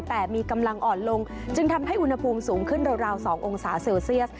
แต่มีกำลังอ่อนลงจึงทำให้อุณหภูมิสูงขึ้นราว๒องศาเซลเซียส